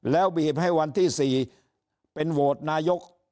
แล้วบีบให้วันที่๔เป็นโหวตนายก